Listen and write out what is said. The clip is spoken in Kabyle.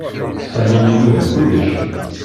Sami inuda kullec.